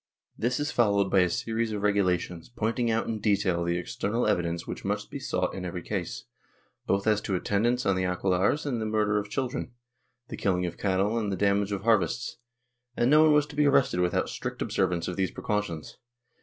This is followed by a series of regulations pointing out in detail the external evidence which must be sought in every case, both as to attendance on the aquelarres and the murder of children, the killing of cattle, and the damage of harvests, and no one was to be arrested without strict observance of these precautions.